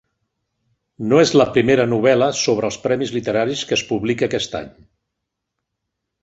No és la primera novel·la sobre els premis literaris que es publica aquest any